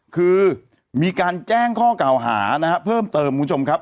คือมีการแจ้งข้อกล่าวหาเพิ่มเติมมุมชมครับ